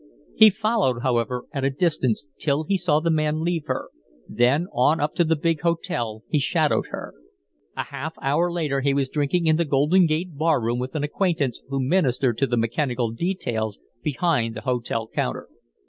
He followed, however, at a distance, till he saw the man leave her, then on up to the big hotel he shadowed her. A half hour later he was drinking in the Golden Gate bar room with an acquaintance who ministered to the mechanical details behind the hotel counter.